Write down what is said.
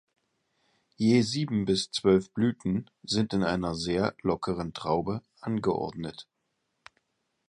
Je sieben bis zwölf Blüten sind in einer sehr lockeren Traube angeordnet.